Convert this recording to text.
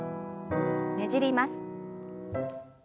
ねじります。